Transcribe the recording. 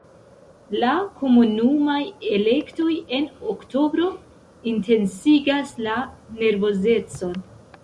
La komunumaj elektoj en oktobro intensigas la nervozecon.